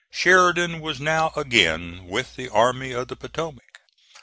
Sheridan was now again with the Army of the Potomac.